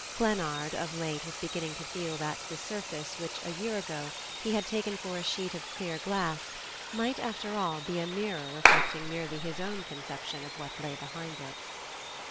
Glennard, of late, was beginning to feel that the surface which, a year ago, he had taken for a sheet of clear glass, might, after all, be a mirror reflecting merely his own conception of what lay behind it.